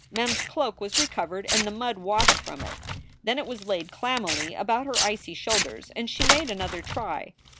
Mem s cloak was recovered, and the mud washed from it. Then it was laid clammily about her icy shoulders and she made another try.